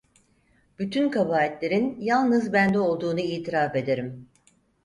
Bütün kabahatlerin yalnız bende olduğunu itiraf ederim.